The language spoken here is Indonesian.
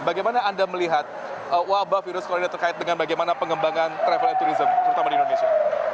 bagaimana anda melihat wabah virus corona terkait dengan bagaimana pengembangan travel and tourism terutama di indonesia